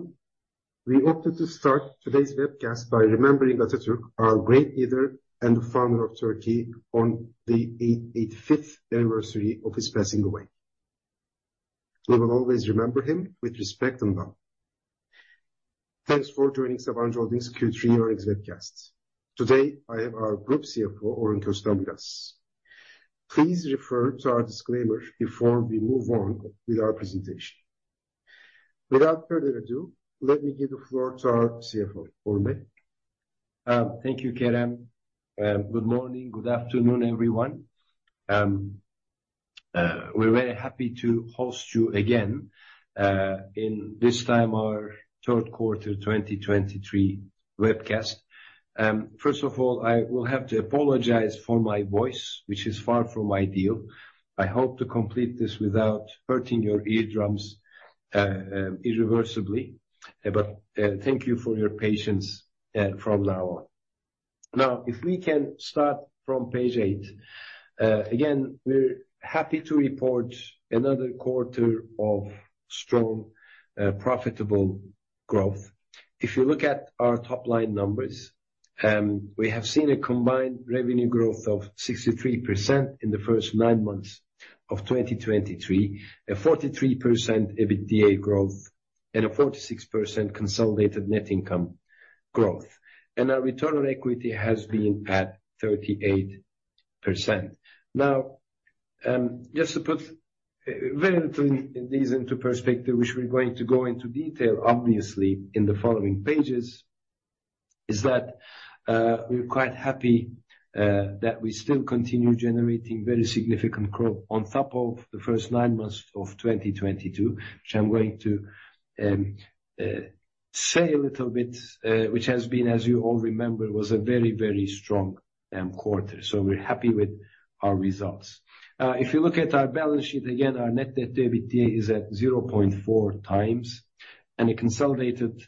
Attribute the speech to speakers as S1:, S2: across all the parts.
S1: Hello, everyone. We wanted to start today's webcast by remembering Atatürk, our great leader and the founder of Turkey, on the 85th anniversary of his passing away. We will always remember him with respect and love. Thanks for joining Sabancı Holding's Q3 Earnings Webcast. Today, I have our Group CFO, Orhun Köstem with us. Please refer to our disclaimer before we move on with our presentation. Without further ado, let me give the floor to our CFO, Orhun.
S2: Thank you, Kerem. Good morning, good afternoon, everyone. We're very happy to host you again, in this time our third quarter 2023 webcast. First of all, I will have to apologize for my voice, which is far from ideal. I hope to complete this without hurting your eardrums, irreversibly, but, thank you for your patience, from now on. Now, if we can start from page 8. Again, we're happy to report another quarter of strong, profitable growth. If you look at our top-line numbers, we have seen a combined revenue growth of 63% in the first nine months of 2023, a 43% EBITDA growth, and a 46% consolidated net income growth. And our return on equity has been at 38%. Now, just to put these into perspective, which we're going to go into detail, obviously, in the following pages, is that we're quite happy that we still continue generating very significant growth on top of the first nine months of 2022. Which I'm going to say a little bit, which has been, as you all remember, was a very, very strong quarter. So we're happy with our results. If you look at our balance sheet, again, our net debt to EBITDA is at 0.4x, and a consolidated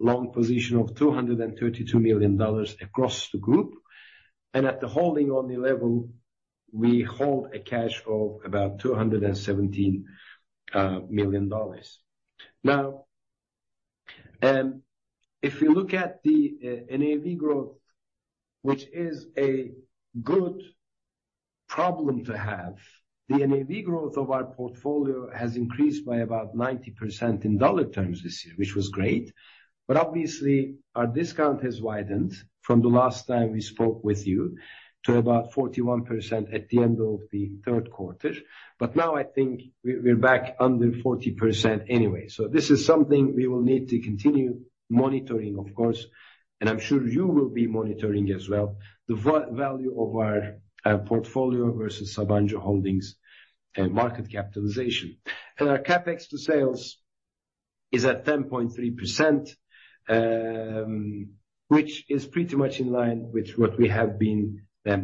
S2: long position of $232 million across the group. And at the holding on the level, we hold a cash of about $217 million. Now, if you look at the NAV growth, which is a good problem to have, the NAV growth of our portfolio has increased by about 90% in dollar terms this year, which was great. But obviously, our discount has widened from the last time we spoke with you to about 41% at the end of the third quarter. But now I think we're back under 40% anyway. So this is something we will need to continue monitoring, of course, and I'm sure you will be monitoring as well, the value of our portfolio versus Sabancı Holding's market capitalization. And our CapEx to sales is at 10.3%, which is pretty much in line with what we have been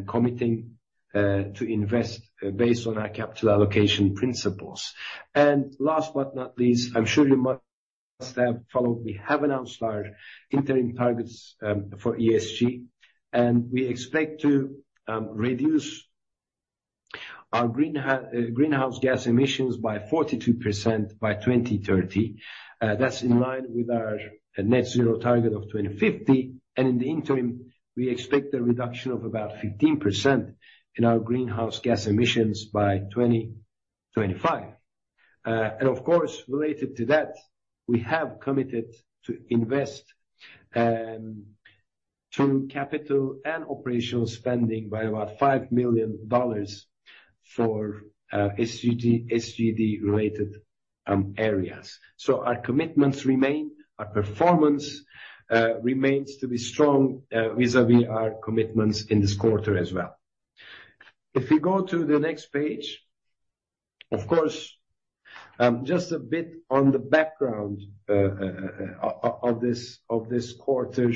S2: committing to invest based on our capital allocation principles. And last but not least, I'm sure you must have followed, we have announced our interim targets for ESG, and we expect to reduce our greenhouse gas emissions by 42% by 2030. That's in line with our net zero target of 2050, and in the interim, we expect a reduction of about 15% in our greenhouse gas emissions by 2025. And of course, related to that, we have committed to invest through capital and operational spending by about $5 million for SGD, SGD-related areas. So our commitments remain, our performance remains to be strong vis-à-vis our commitments in this quarter as well. If we go to the next page, of course, just a bit on the background of this quarter.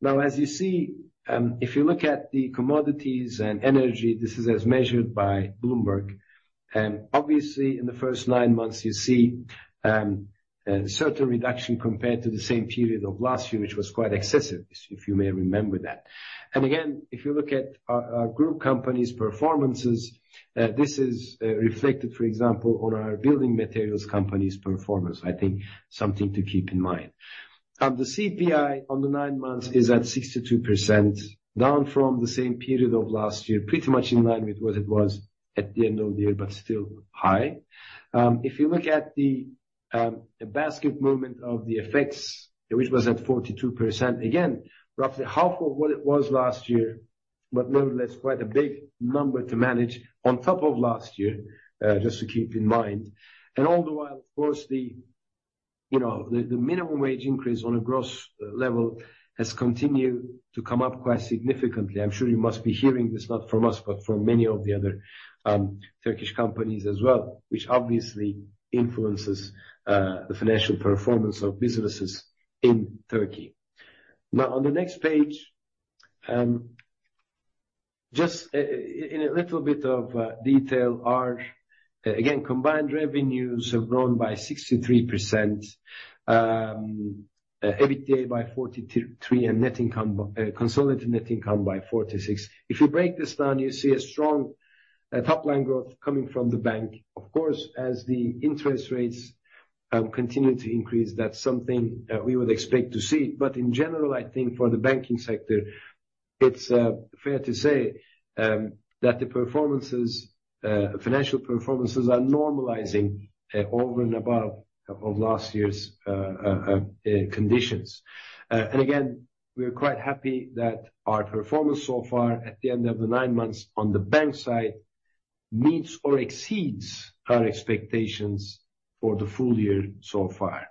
S2: Now, as you see, if you look at the commodities and energy, this is as measured by Bloomberg, and obviously, in the first nine months, you see, a certain reduction compared to the same period of last year, which was quite excessive, if you may remember that. And again, if you look at our, our group company's performances, this is reflected, for example, on our building materials company's performance. I think something to keep in mind. The CPI on the nine months is at 62%, down from the same period of last year, pretty much in line with what it was at the end of the year, but still high. If you look at the, the basket movement of the FX, which was at 42%, again, roughly half of what it was last year, but nonetheless, quite a big number to manage on top of last year, just to keep in mind. And all the while, of course, the, you know, the, the minimum wage increase on a gross level has continued to come up quite significantly. I'm sure you must be hearing this not from us, but from many of the other Turkish companies as well, which obviously influences the financial performance of businesses in Turkey. Now, on the next page, just in a little bit of detail, our, again, combined revenues have grown by 63%, EBITDA by 43%, and net income, consolidated net income by 46%. If you break this down, you see a strong top-line growth coming from the bank. Of course, as the interest rates continue to increase, that's something we would expect to see. But in general, I think for the banking sector. It's fair to say that the performances financial performances are normalizing over and above of last year's conditions. And again, we are quite happy that our performance so far at the end of the nine months on the bank side, meets or exceeds our expectations for the full year so far.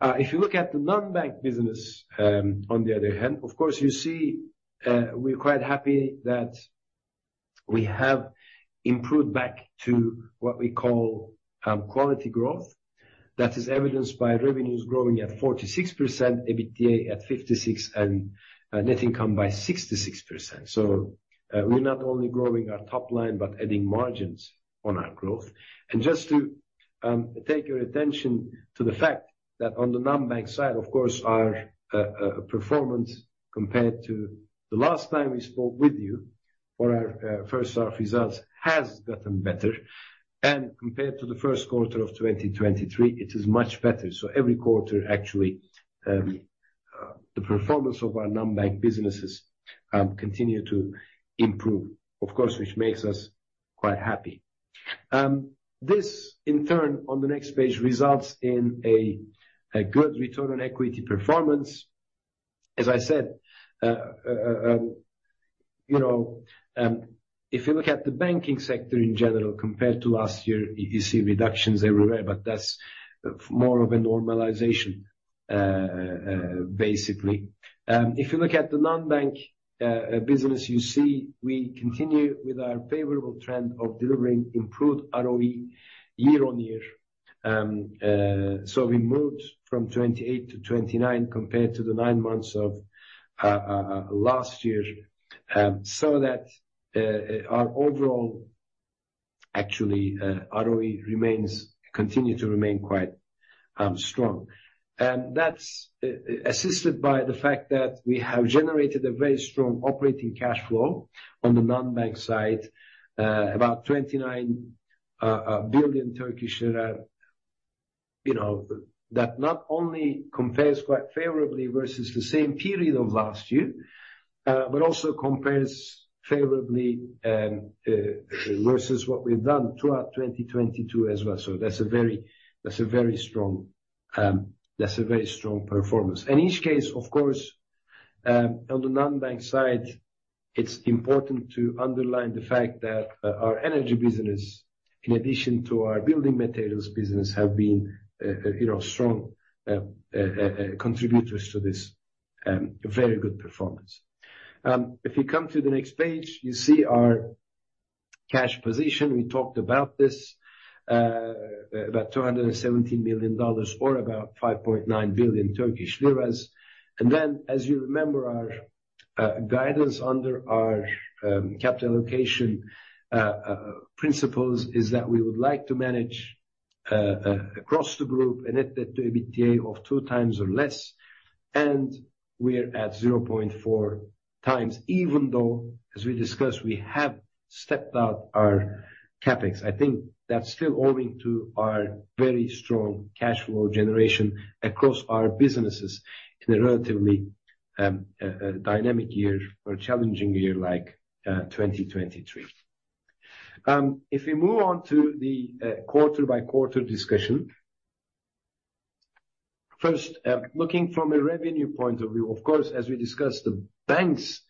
S2: If you look at the non-bank business, on the other hand, of course, you see we're quite happy that we have improved back to what we call quality growth. That is evidenced by revenues growing at 46%, EBITDA at 56%, and net income by 66%. So, we're not only growing our top line, but adding margins on our growth. And just to take your attention to the fact that on the non-bank side, of course, our performance compared to the last time we spoke with you for our first half results, has gotten better. And compared to the first quarter of 2023, it is much better. So every quarter actually, the performance of our non-bank businesses continue to improve, of course, which makes us quite happy. This, in turn, on the next page, results in a good return on equity performance. As I said, you know, if you look at the banking sector in general, compared to last year, you see reductions everywhere, but that's more of a normalization, basically. If you look at the non-bank business, you see we continue with our favorable trend of delivering improved ROE year-on-year. So we moved from 28% to 29%, compared to the nine months of last year. So that our overall, actually, ROE remains, continue to remain quite strong. That's assisted by the fact that we have generated a very strong operating cash flow on the non-bank side, about 29 billion. You know, that not only compares quite favorably versus the same period of last year, but also compares favorably versus what we've done throughout 2022 as well. So that's a very strong performance. In each case, of course, on the non-bank side, it's important to underline the fact that our energy business, in addition to our building materials business, have been you know strong contributors to this very good performance. If you come to the next page, you see our cash position. We talked about this, about $217 million or about 5.9 billion Turkish lira. And then, as you remember, our guidance under our capital allocation principles is that we would like to manage across the group a net debt to EBITDA of 2x or less, and we're at 0.4x, even though, as we discussed, we have stepped out our CapEx. I think that's still owing to our very strong cash flow generation across our businesses in a relatively dynamic year or challenging year like 2023. If we move on to the quarter-by-quarter discussion. First, looking from a revenue point of view, of course, as we discussed, the bank's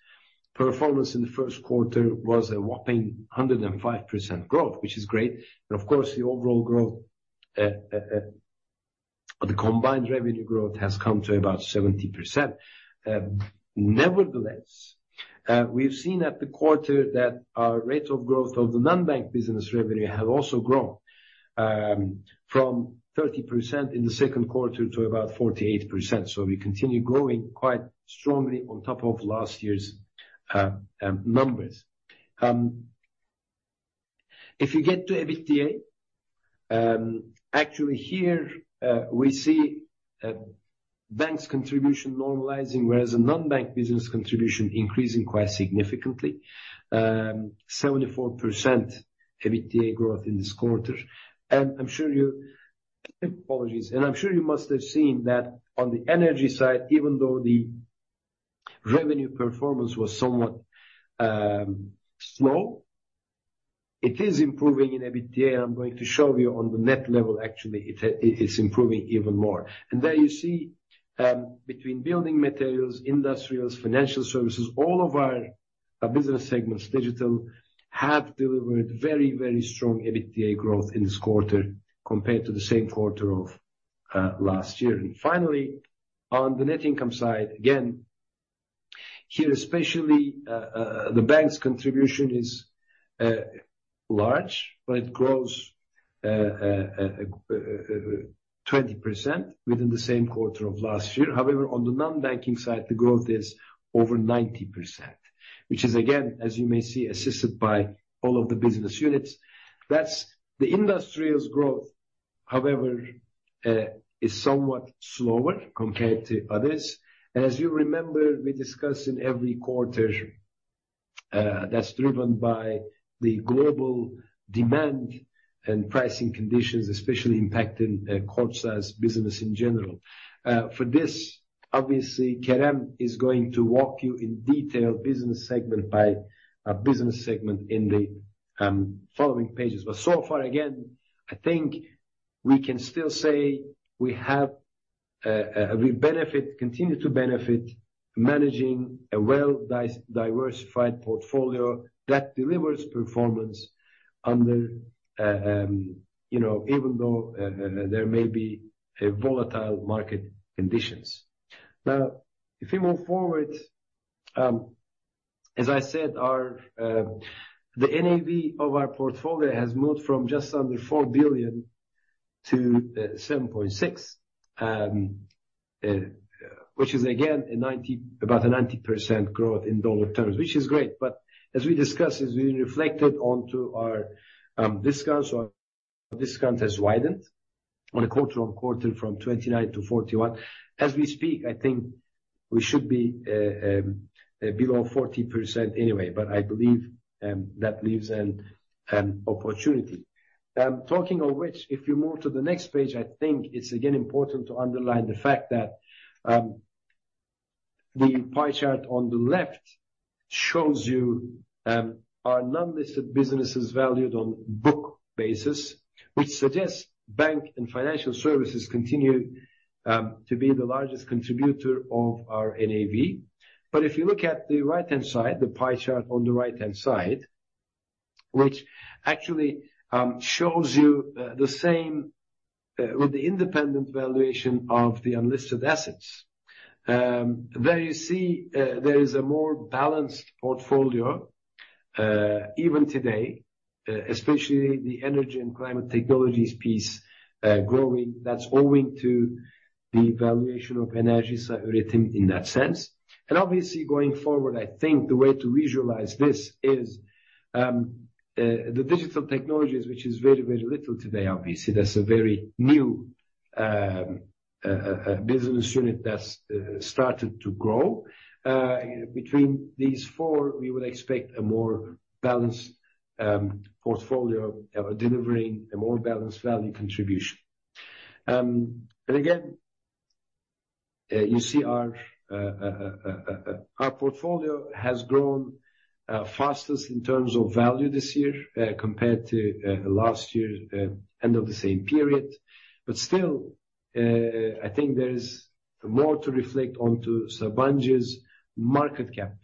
S2: performance in the first quarter was a whopping 105% growth, which is great. Of course, the overall growth, the combined revenue growth has come to about 70%. Nevertheless, we've seen at the quarter that our rate of growth of the non-bank business revenue have also grown, from 30% in the second quarter to about 48%. So we continue growing quite strongly on top of last year's numbers. If you get to EBITDA, actually here, we see, bank's contribution normalizing, whereas the non-bank business contribution increasing quite significantly. 74% EBITDA growth in this quarter. And I'm sure you... Apologies. And I'm sure you must have seen that on the energy side, even though the revenue performance was somewhat slow, it is improving in EBITDA. I'm going to show you on the net level, actually, it, it's improving even more. There you see, between building materials, industrials, financial services, all of our business segments, digital, have delivered very, very strong EBITDA growth in this quarter compared to the same quarter of last year. And finally, on the net income side, again, here, especially, the bank's contribution is large, but it grows 20% within the same quarter of last year. However, on the non-banking side, the growth is over 90%, which is, again, as you may see, assisted by all of the business units. That's the industrials growth, however, is somewhat slower compared to others. And as you remember, we discuss in every quarter. That's driven by the global demand and pricing conditions, especially impacting Kordsa's business in general. For this, obviously, Kerem is going to walk you in detail, business segment by business segment in the following pages. But so far, again, I think we can still say we have we continue to benefit managing a well diversified portfolio that delivers performance under you know, even though there may be a volatile market conditions. Now, if we move forward, as I said, our the NAV of our portfolio has moved from just under $4 billion to $7.6 billion. Which is again, a 90, about a 90% growth in dollar terms, which is great. But as we discussed, as we reflected onto our discount, so our discount has widened on a quarter-on-quarter from 29% to 41%. As we speak, I think we should be below 40% anyway, but I believe that leaves an opportunity. Talking of which, if you move to the next page, I think it's again important to underline the fact that the pie chart on the left shows you our non-listed businesses valued on book basis. Which suggests bank and financial services continue to be the largest contributor of our NAV. But if you look at the right-hand side, the pie chart on the right-hand side, which actually shows you the same with the independent valuation of the unlisted assets. There you see there is a more balanced portfolio even today, especially the energy and climate technologies piece growing. That's owing to the valuation of energies written in that sense. Obviously, going forward, I think the way to visualize this is the digital technologies, which is very, very little today. Obviously, that's a very new business unit that's started to grow. Between these four, we would expect a more balanced portfolio, delivering a more balanced value contribution. But again, you see our portfolio has grown fastest in terms of value this year, compared to last year end of the same period. But still, I think there is more to reflect on to Sabancı's market cap,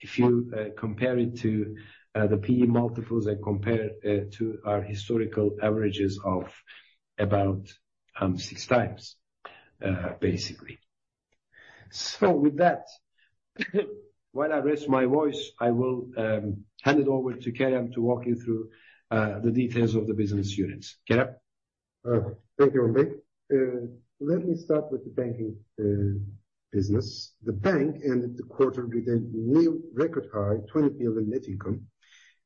S2: if you compare it to the P/E multiples and compare to our historical averages of about 6x, basically. With that, while I rest my voice, I will hand it over to Kerem to walk you through the details of the business units. Kerem?
S1: Thank you, Orhun. Let me start with the banking business. The bank ended the quarter with a new record-high 20 billion net income,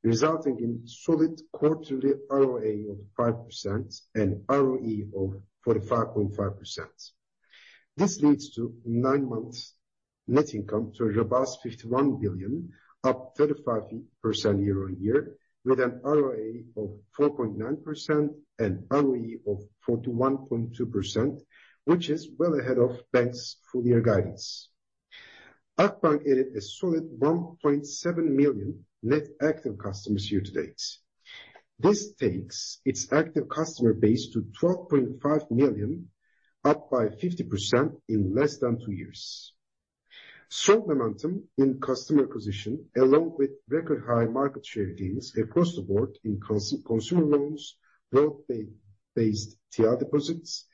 S1: resulting in solid quarterly ROA of 5% and ROE of 45.5%. This leads to nine months' net income to a robust 51 billion, up 35% year-on-year, with an ROA of 4.9% and ROE of 41.2%, which is well ahead of bank's full year guidance. Akbank added a solid 1.7 million net active customers year to date. This takes its active customer base to 12.5 million, up by 50% in less than two years. Strong momentum in customer acquisition, along with record high market share gains across the board in consumer loans, worldplace-based TL deposits,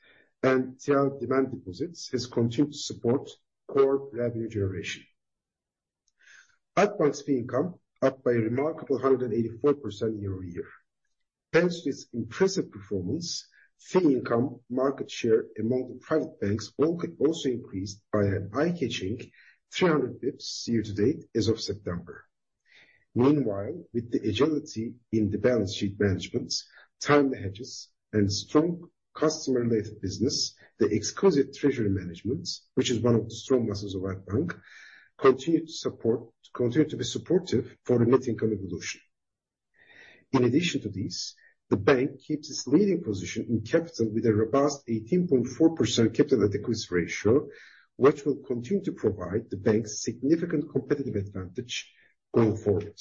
S1: and TL demand deposits, has continued to support core revenue generation. Akbank's fee income up by a remarkable 184% year-over-year. Thanks to its impressive performance, fee income market share among private banks also increased by an eye-catching 300 basis points year to date as of September. Meanwhile, with the agility in the balance sheet management, time hedges, and strong customer-related business, the exquisite treasury management, which is one of the strong muscles of Akbank, continued to be supportive for the net income evolution. In addition to this, the bank keeps its leading position in capital with a robust 18.4% capital adequacy ratio, which will continue to provide the bank's significant competitive advantage going forward.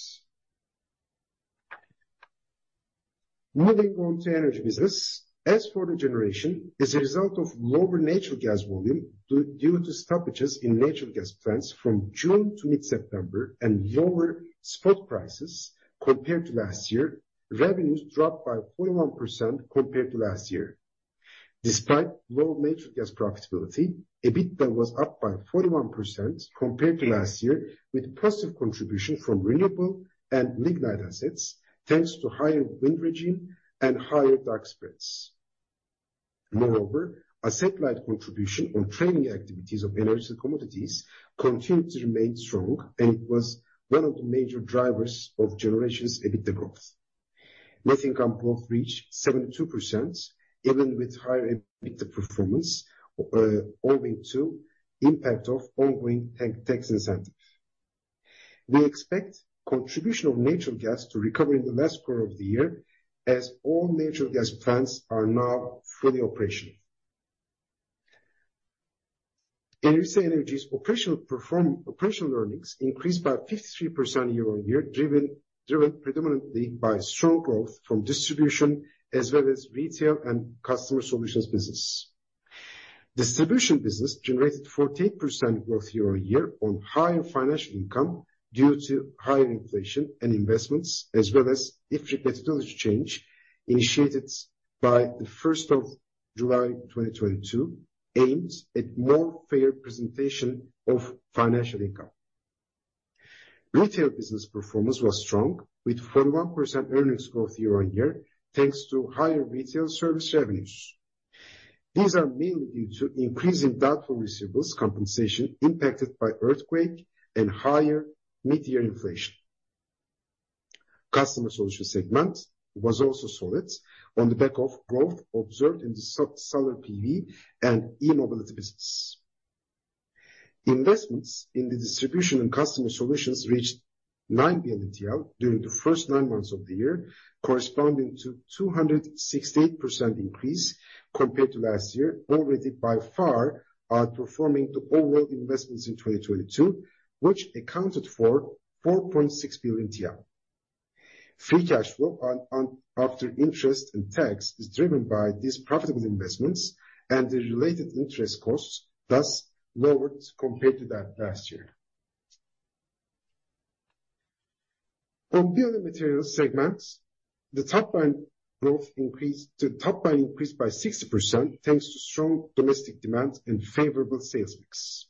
S1: Moving on to energy business. As for the generation, as a result of lower natural gas volume due to stoppages in natural gas plants from June to mid-September and lower spot prices compared to last year, revenues dropped by 41% compared to last year. Despite low natural gas profitability, EBITDA was up by 41% compared to last year, with positive contribution from renewable and lignite assets, thanks to higher wind regime and higher dark spreads. Moreover, a satellite contribution on trading activities of energy commodities continued to remain strong and it was one of the major drivers of generation's EBITDA growth. Net income growth reached 72%, even with higher EBITDA performance, owing to impact of ongoing tax incentives. We expect contribution of natural gas to recover in the last quarter of the year, as all natural gas plants are now fully operational. Enerjisa Enerji's operational earnings increased by 53% year-on-year, driven predominantly by strong growth from distribution as well as retail and customer solutions business. Distribution business generated 14% growth year-on-year on higher financial income due to higher inflation and investments, as well as a profitability change initiated on July 1, 2022, aimed at more fair presentation of financial income. Retail business performance was strong, with 41% earnings growth year-on-year, thanks to higher retail service revenues. These are mainly due to increasing doubtful receivables compensation impacted by earthquake and higher mid-year inflation. Customer solutions segment was also solid on the back of growth observed in the solar PV and e-mobility business. Investments in the distribution and customer solutions reached 9 billion TL during the first nine months of the year, corresponding to 268% increase compared to last year, already by far performing to overall investments in 2022, which accounted for 4.6 billion TL. Free cash flow on after interest and tax is driven by these profitable investments and the related interest costs, thus lowered compared to that last year. On building materials segments, the top line growth increased... The top line increased by 60%, thanks to strong domestic demand and favorable sales mix.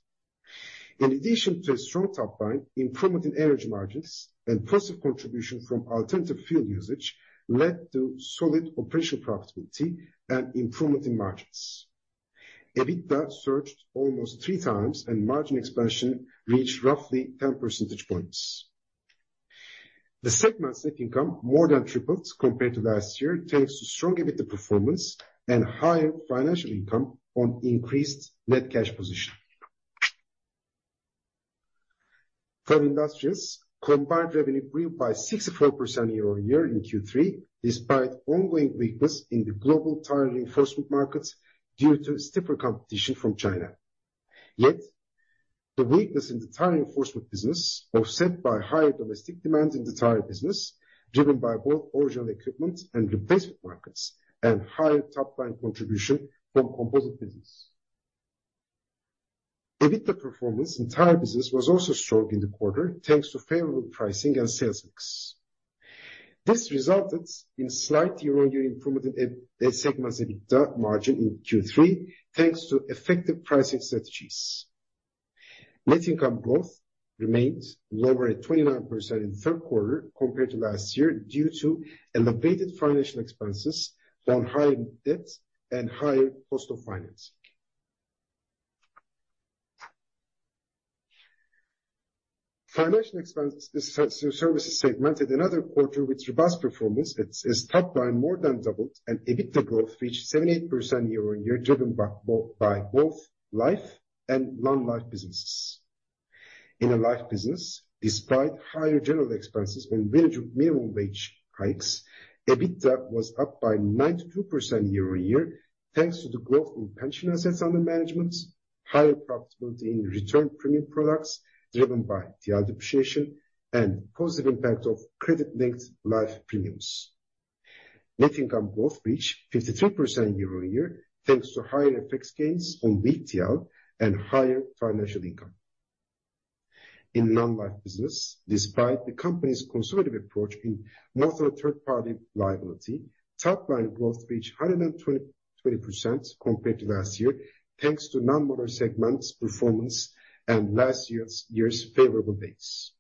S1: In addition to a strong top line, improvement in energy margins and positive contribution from alternative fuel usage led to solid operational profitability and improvement in margins. EBITDA surged almost three times, and margin expansion reached roughly 10 percentage points. The segment's net income more than tripled compared to last year, thanks to strong EBITDA performance and higher financial income on increased net cash position. For industrials, combined revenue grew by 64% year-on-year in Q3, despite ongoing weakness in the global tire reinforcement markets due to stiffer competition from China. Yet, the weakness in the tire reinforcement business offset by higher domestic demand in the tire business, driven by both original equipment and replacement markets, and higher top line contribution from composite business. EBITDA performance in tire business was also strong in the quarter, thanks to favorable pricing and sales mix. This resulted in slight year-on-year improvement in segment's EBITDA margin in Q3, thanks to effective pricing strategies. Net income growth remained lower at 29% in the third quarter compared to last year, due to elevated financial expenses from higher debt and higher cost of financing. The financial services segment had another quarter with robust performance. Its top line more than doubled, and EBITDA growth reached 78% year-on-year, driven by both life and non-life businesses. In the life business, despite higher general expenses and minimum wage hikes, EBITDA was up by 92% year-on-year, thanks to the growth in pension assets under management, higher profitability in return premium products driven by TL depreciation, and positive impact of credit-linked life premiums. Net income growth reached 53% year-on-year, thanks to higher FX gains on VTL and higher financial income. In non-life business, despite the company's conservative approach in motor third party liability, top line growth reached 120% compared to last year, thanks to non-motor segments' performance and last year's favorable base.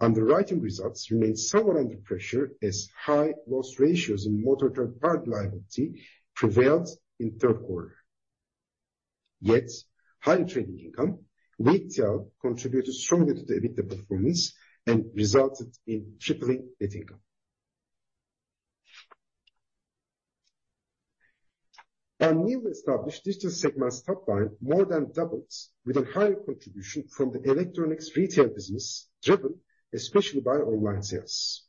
S1: Underwriting results remained somewhat under pressure as high loss ratios in motor third party liability prevailed in third quarter. Yet, higher trading income, VTL, contributed strongly to the EBITDA performance and resulted in tripling net income. Our newly established digital segment's top line more than doubled with a higher contribution from the electronics retail business, driven especially by online sales.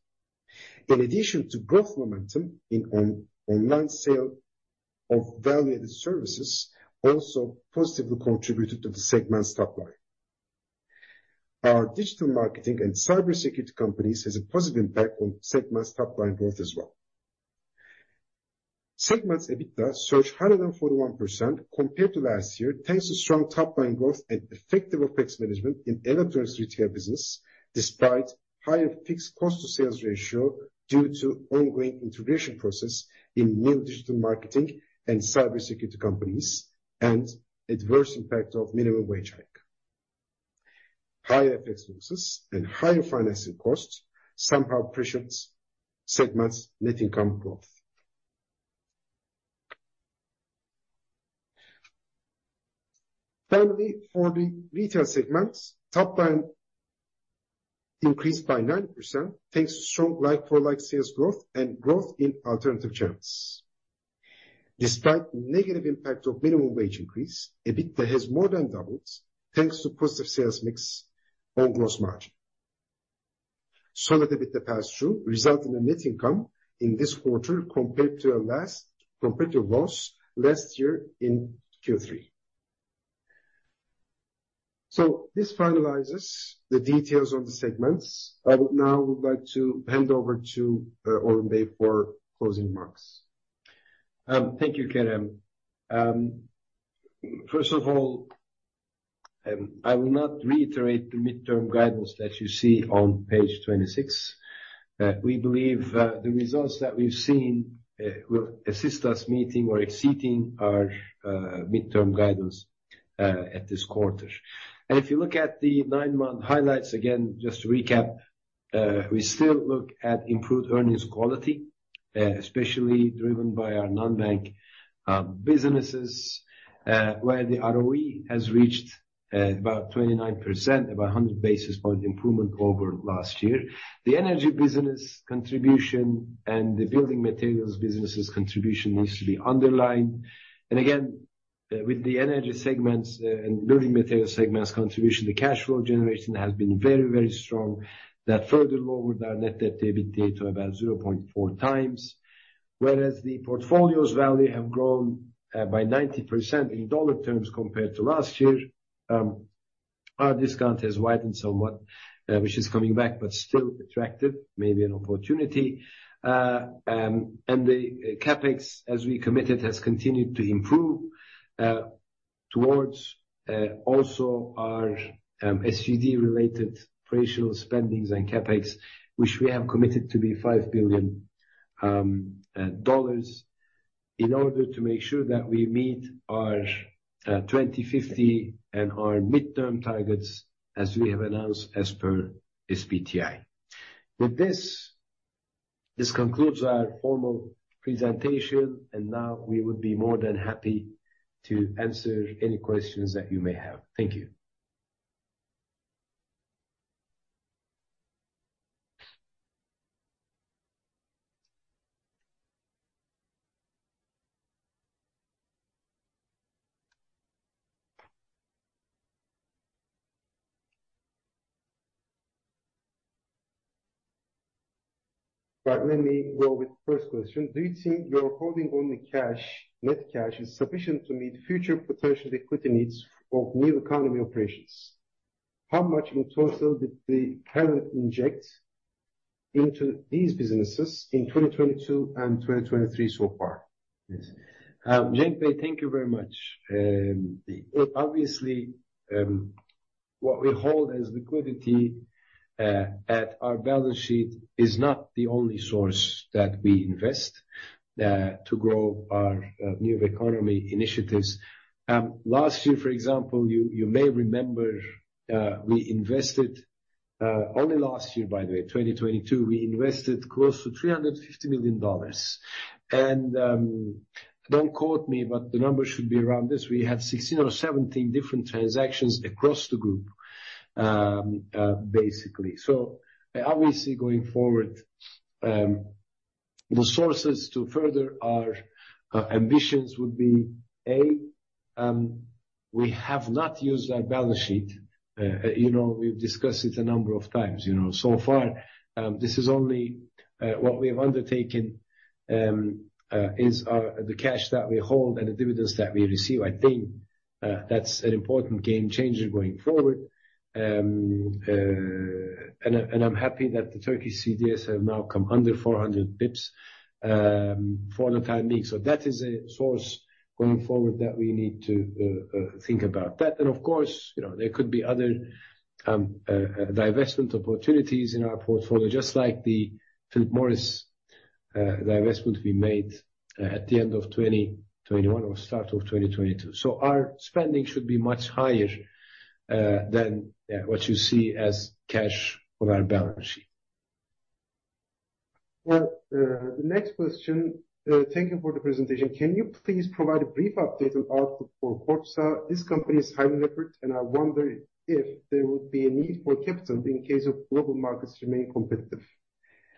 S1: In addition to growth momentum in online sales of value-added services also positively contributed to the segment's top line. Our digital marketing and cybersecurity companies has a positive impact on segment's top line growth as well. Segment's EBITDA surged higher than 41% compared to last year, thanks to strong top line growth and effective OpEx management in electronics retail business, despite higher fixed cost to sales ratio due to ongoing integration process in new digital marketing and cybersecurity companies and adverse impact of minimum wage hike. Higher FX losses and higher financing costs, somewhat suppressed, segments net income growth.... Finally, for the retail segment, top line increased by 9%, thanks to strong like-for-like sales growth and growth in alternative channels. Despite negative impact of minimum wage increase, EBITDA has more than doubled, thanks to positive sales mix on gross margin. Solid EBITDA pass-through result in a net income in this quarter compared to loss last year in Q3. So this finalizes the details of the segments. I would now like to hand over to Orhun Köstem for closing remarks.
S2: Thank you, Kerem. First of all, I will not reiterate the midterm guidance that you see on page 26. We believe the results that we've seen will assist us meeting or exceeding our midterm guidance at this quarter. And if you look at the nine-month highlights, again, just to recap, we still look at improved earnings quality, especially driven by our non-bank businesses, where the ROE has reached about 29%, about 100 basis point improvement over last year. The energy business contribution and the building materials business's contribution needs to be underlined. And again, with the energy segments and building materials segments contribution, the cash flow generation has been very, very strong. That further lowered our net debt to EBITDA to about 0.4x. Whereas the portfolio's value have grown by 90% in dollar terms compared to last year, our discount has widened somewhat, which is coming back, but still attractive, maybe an opportunity. The CapEx, as we committed, has continued to improve towards also our SDG-related operational spendings and CapEx, which we have committed to be $5 billion, in order to make sure that we meet our 2050 and our midterm targets, as we have announced as per SBTi. With this, this concludes our formal presentation, and now we would be more than happy to answer any questions that you may have. Thank you.
S1: Right. Let me go with the first question: Do you think your holding on the cash, net cash, is sufficient to meet future potential liquidity needs for new economy operations? How much in total did the parent inject into these businesses in 2022 and 2023 so far?
S2: Yes. Cenk Alper, thank you very much. Obviously, what we hold as liquidity at our balance sheet is not the only source that we invest to grow our new economy initiatives. Last year, for example, you may remember, we invested only last year, by the way, 2022, we invested close to $350 million. And, don't quote me, but the number should be around this. We had 16 or 17 different transactions across the group, basically. So obviously, going forward, the sources to further our ambitions would be: A, we have not used our balance sheet. You know, we've discussed it a number of times. You know, so far, this is only what we have undertaken is the cash that we hold and the dividends that we receive. I think that's an important game changer going forward. And I, and I'm happy that the Turkey CDS have now come under 400 bps for the time being. So that is a source going forward that we need to think about. That, and of course, you know, there could be other divestment opportunities in our portfolio, just like the Philip Morris divestment we made at the end of 2021 or start of 2022. So our spending should be much higher than what you see as cash on our balance sheet.
S1: Well, the next question. Thank you for the presentation. Can you please provide a brief update on output for Kordsa? This company is highly levered, and I wonder if there would be a need for capital in case of global markets remain competitive.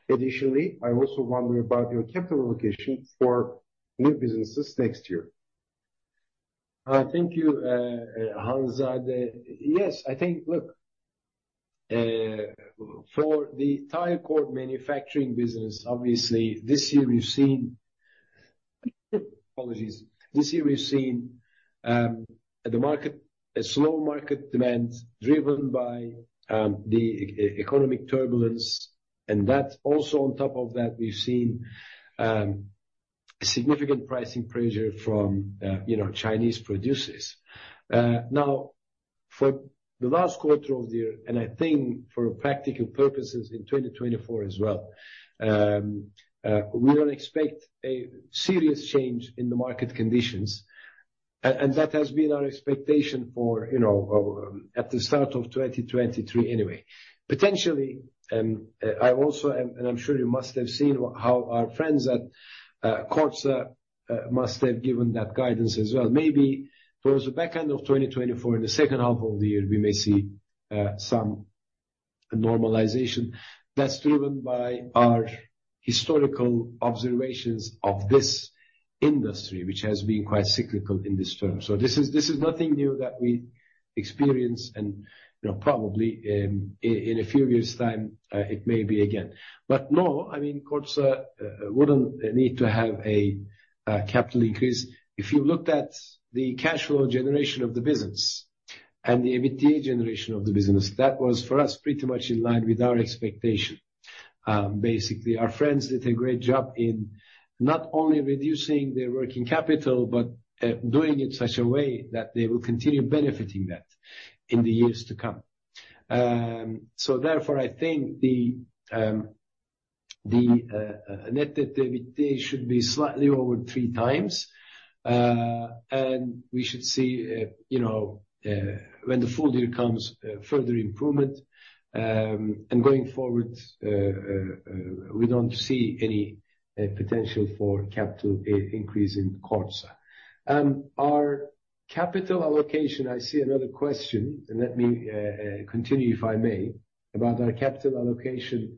S1: Additionally, I also wonder about your capital allocation for new businesses next year.
S2: Thank you, Hanzade. Yes, I think. Look, for the tire cord manufacturing business, obviously this year we've seen the market, a slow market demand driven by the economic turbulence, and that's also on top of that, we've seen significant pricing pressure from, you know, Chinese producers. Now, for the last quarter of the year, and I think for practical purposes in 2024 as well, we don't expect a serious change in the market conditions. And that has been our expectation for, you know, at the start of 2023 anyway. Potentially, I also am, and I'm sure you must have seen how our friends at Kordsa must have given that guidance as well. Maybe towards the back end of 2024, in the second half of the year, we may see some normalization that's driven by our historical observations of this industry, which has been quite cyclical in this term. So this is, this is nothing new that we experience, and, you know, probably, in a few years' time, it may be again. But no, I mean, Kordsa wouldn't need to have a capital increase. If you looked at the cash flow generation of the business and the EBITDA generation of the business, that was for us, pretty much in line with our expectation. Basically, our friends did a great job in not only reducing their working capital, but doing it in such a way that they will continue benefiting that in the years to come. So therefore, I think the net debt should be slightly over three times. And we should see, you know, when the full year comes, further improvement. And going forward, we don't see any potential for capital increase in Kordsa. Our capital allocation, I see another question, and let me continue, if I may, about our capital allocation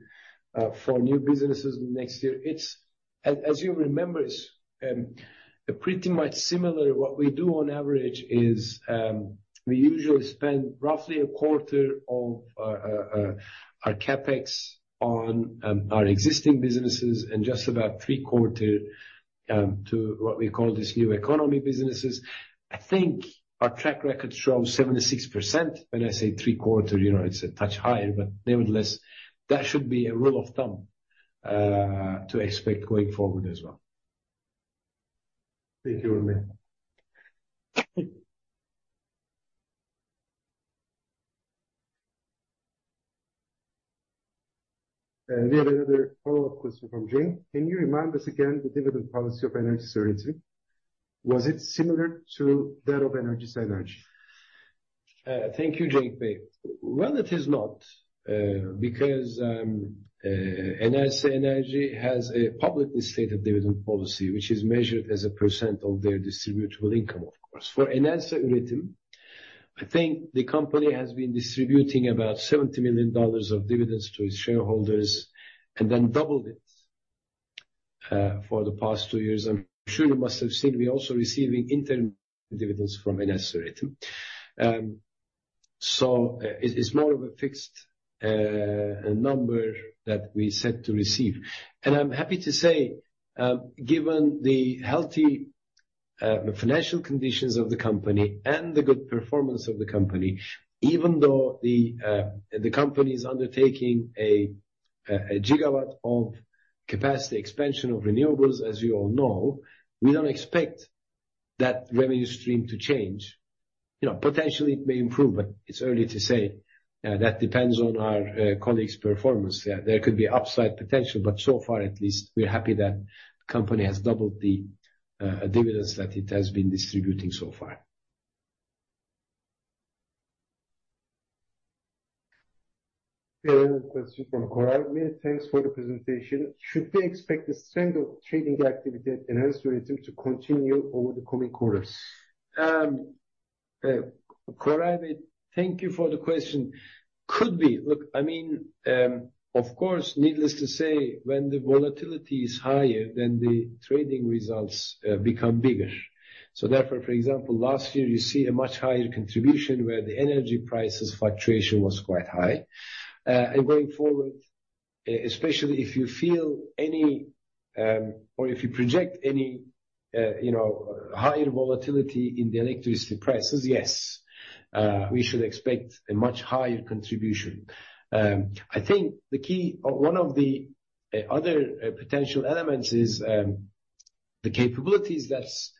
S2: for new businesses next year. It's—as you remember, it's pretty much similar. What we do on average is, we usually spend roughly a quarter of our CapEx on our existing businesses and just about three-quarter to what we call these new economy businesses. I think our track record shows 76%. When I say three-quarter, you know, it's a touch higher, but nevertheless, that should be a rule of thumb to expect going forward as well.
S1: Thank you, Orhun. We have another follow-up question from Jane. Can you remind us again the dividend policy of Enerjisa Üretim? Was it similar to that of Enerjisa Enerji?
S2: Thank you, Jane Page. Well, it is not because Enerjisa Enerji has a publicly stated dividend policy, which is measured as a % of their distributable income, of course. For Enerjisa Üretim, I think the company has been distributing about $70 million of dividends to its shareholders, and then doubled it for the past two years. I'm sure you must have seen me also receiving interim dividends from Enerjisa Üretim. So it's more of a fixed number that we set to receive. And I'm happy to say, given the healthy financial conditions of the company and the good performance of the company, even though the company is undertaking a gigawatt of capacity expansion of renewables, as you all know, we don't expect that revenue stream to change. You know, potentially it may improve, but it's early to say. That depends on our colleagues' performance. There could be upside potential, but so far at least, we're happy that the company has doubled the dividends that it has been distributing so far.
S1: A question from Koray: Thanks for the presentation. Should we expect the strength of trading activity at Enerjisa Üretim to continue over the coming quarters?
S2: Koray, thank you for the question. Could be. Look, I mean, of course, needless to say, when the volatility is higher, then the trading results become bigger. So therefore, for example, last year, you see a much higher contribution where the energy prices fluctuation was quite high. And going forward, especially if you feel any... Or if you project any, you know, higher volatility in the electricity prices, yes, we should expect a much higher contribution. I think the key or one of the other potential elements is the capabilities that's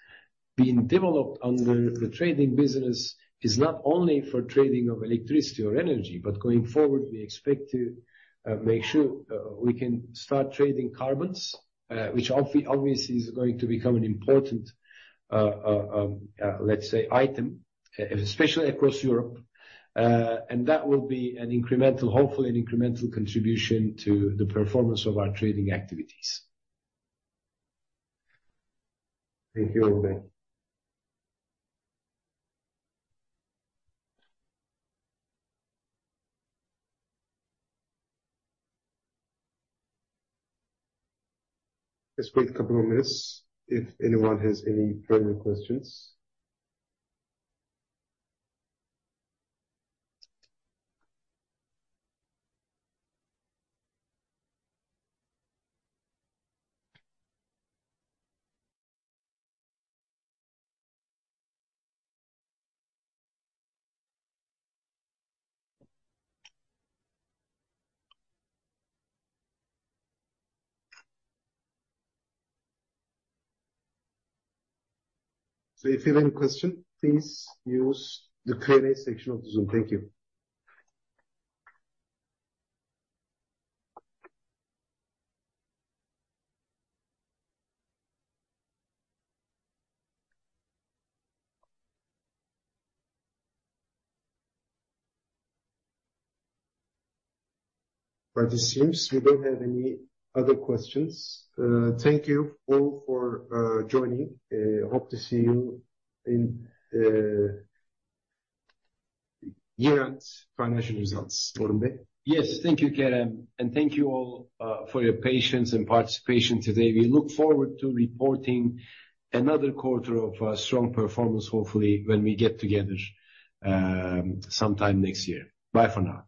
S2: being developed under the trading business is not only for trading of electricity or energy, but going forward, we expect to make sure we can start trading carbons, which obviously is going to become an important, let's say, item, especially across Europe. And that will be an incremental—hopefully, an incremental contribution to the performance of our trading activities.
S1: Thank you, Orhun. Let's wait a couple of minutes if anyone has any further questions. So if you have any question, please use the Q&A section of the Zoom. Thank you. But it seems we don't have any other questions. Thank you all for joining. Hope to see you in year-end financial results, Orhun Bey.
S2: Yes. Thank you, Kerem, and thank you all for your patience and participation today. We look forward to reporting another quarter of strong performance, hopefully, when we get together sometime next year. Bye for now.